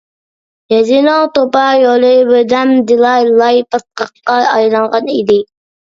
يېزىنىڭ توپا يولى بىردەمدىلا لاي پاتقاققا ئايلانغان ئىدى.